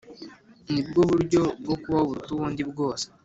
nibwo buryo bwo kubaho buruta ubundi bwose.